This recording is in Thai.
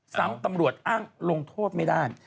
ตำรวจอ้างลงโทษไม่ได้